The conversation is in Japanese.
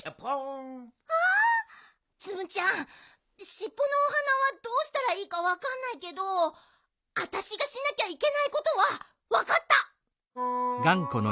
しっぽのお花はどうしたらいいかわかんないけどあたしがしなきゃいけないことはわかった！